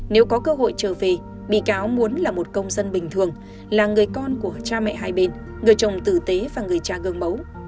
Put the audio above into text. nếu có cơ hội trở về bị cáo muốn là một công dân bình thường là người con của cha mẹ hai bên người chồng tử tế và người cha gương mẫu